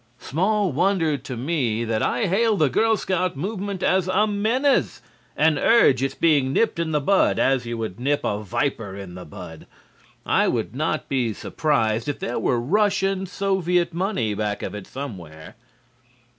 Small wonder to me that I hail the Girl Scout movement as a menace and urge its being nipped in the bud as you would nip a viper in the bud. I would not be surprised if there were Russian Soviet money back of it somewhere.